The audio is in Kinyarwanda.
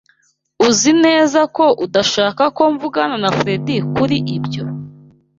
Uzi neza ko udashaka ko mvugana na Fredy kuri ibyo?